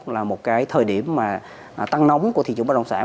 là một thời điểm tăng nóng của thị trường bất động sản